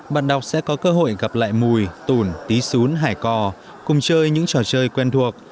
bạn đọc sẽ có cơ hội gặp lại mùi tủn tí xún hải cò cùng chơi những trò chơi quen thuộc